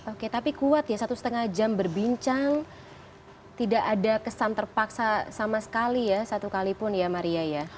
oke tapi kuat ya satu setengah jam berbincang tidak ada kesan terpaksa sama sekali ya satu kalipun ya maria ya